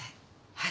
はい。